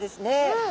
うん。